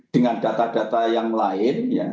dengan data data yang lain